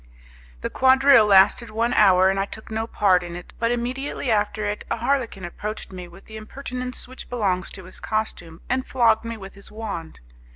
The quadrille lasted one hour, and I took no part in it, but immediately after it, a Harlequin approached me with the impertinence which belongs to his costume, and flogged me with his wand.